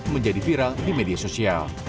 menjadi viral di media sosial